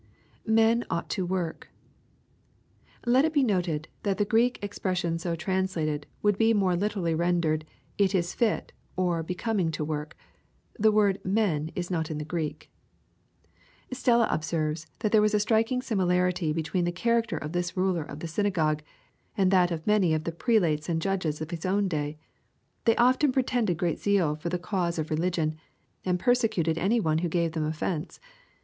[Men ought to work.] Let it be noted, that the Q reek expres sion so translated, would be more literally rendered, " it is fit, oi becoming to work." The word " men" is not in the Greek. Stella observes that there was a striking similarity between th( character of this ruler of the synagogue, and that of many of th€ prelates and judges of his own day. They often pretended great zeal for the cause of religion, and persecuted any one who gave them offence.